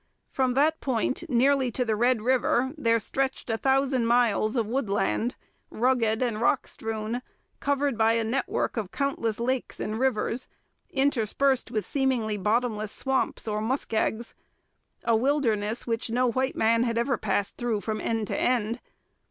From that point nearly to the Red River there stretched a thousand miles of woodland, rugged and rock strewn, covered by a network of countless lakes and rivers, interspersed with seemingly bottomless swamps or muskegs a wilderness which no white man had ever passed through from end to end.